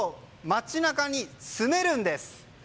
街中に住めるんです。